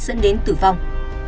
dẫn đến tử vong